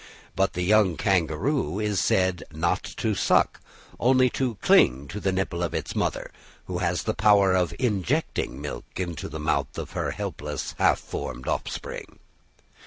But the young kangaroo is said not to suck, only to cling to the nipple of its mother, who has the power of injecting milk into the mouth of her helpless, half formed offspring.